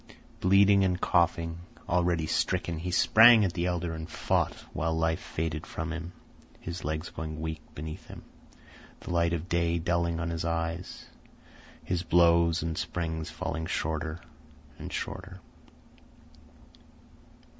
Bleeding and coughing, already stricken, he sprang at the elder and fought while life faded from him, his legs going weak beneath him, the light of day dulling on his eyes, his blows and springs falling shorter and shorter.